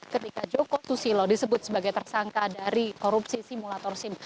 ketika joko susilo disebut sebagai tersangka dari korupsi simulator sim